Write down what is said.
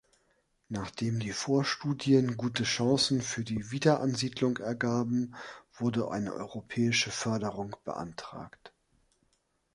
Nachdem die Vorstudien gute Chancen für die Wiederansiedlung ergaben, wurde eine europäische Förderung beantragt.